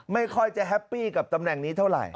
ไม่ค่อยจะแฮปปี้กับตำแหน่งนี้เท่าไหร่